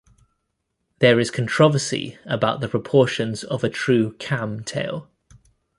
There is controversy about the proportions of a true Kamm tail.